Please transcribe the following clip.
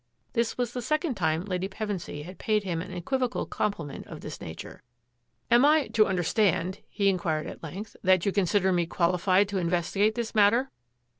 This was the second time Lady Pevensy had paid him an equivocal compliment of this nature. " Am I to understand," he inquired at length, " that you consider me qualified to investigate this matter?